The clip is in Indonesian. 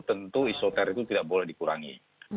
tentu isoter itu tidak boleh dikurangi